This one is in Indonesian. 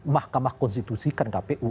mahkamah konstitusikan kpu